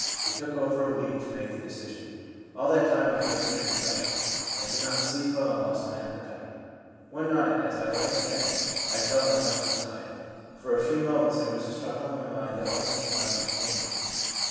It took over a week to make the de cision ; all that time I had fear and depression, I could not sleep well, and lost my appetite One night, as I lay in bed, I felt I must decide. For a few moments there was a struggle in my mind that almost amounted to pain.